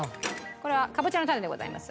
これはかぼちゃの種でございます。